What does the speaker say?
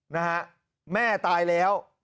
นะฮะแม่ตายแล้ว